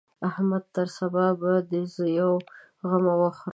احمده! تر سبا به دې زه يوه غمه وخورم.